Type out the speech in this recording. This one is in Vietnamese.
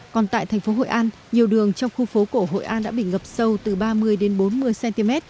còn tại thành phố hội an nhiều đường trong khu phố cổ hội an đã bị ngập sâu từ ba mươi đến bốn mươi cm